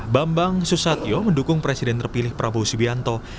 bambang susatyo mendukung presiden terpilih prabowo subianto